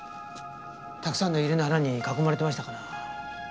たくさんのユリの花に囲まれてましたから。